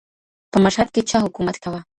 په مشهد کي چا حکومت کاوه؟